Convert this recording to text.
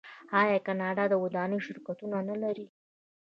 آیا کاناډا د ودانیو شرکتونه نلري؟